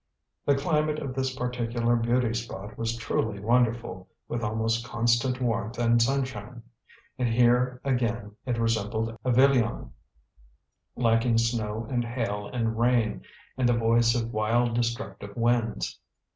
The climate of this particular beauty spot was truly wonderful, with almost constant warmth and sunshine. And here again it resembled Avilion, lacking snow and hail and rain, and the voice of wild, destructive winds.